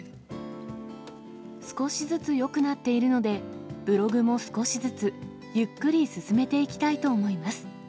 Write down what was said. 少しずつよくなっているので、ブログも少しずつ、ゆっくり進めていきたいと思います。